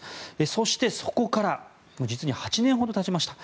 そしてそこから実に８年ほどたちました。